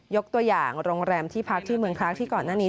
ยกตัวอย่างโรงแรมที่พักที่เมืองพระที่ก่อนหน้านี้